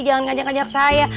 jangan ngajak ngajak saya